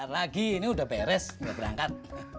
ntar lagi ini udah beres gak berangkat